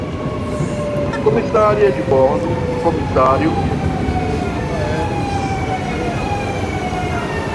comissária de bordo, comissário, controlo aéreo, copiloto